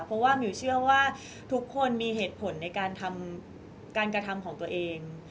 เพราะว่ามิวเชื่อว่าทุกคนมีเหตุผลในการทำการกระทำของตัวเอง